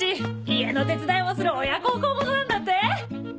家の手伝いもする親孝行者なんだって？